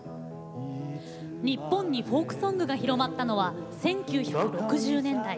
日本にフォークソングが広まったのは１９６０年代。